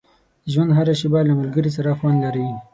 • د ژوند هره شېبه له ملګري سره خوند لري.